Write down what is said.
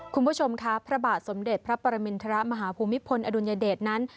คุณผู้ชมค่ะพระบาทสมเด็จพระปรมินทรมาฮภูมิพลอดุลยเดชนั้น